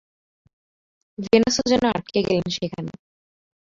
ভেনাসও যেন আটকে গেলেন সেখানে।